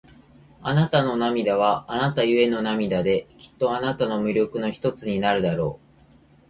あなたの涙は、あなたゆえの涙で、きっとあなたの魅力の一つになるだろう。